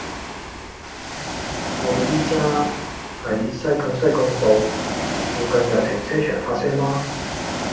我依家喺西貢西貢道，附近有停車場泊車嗎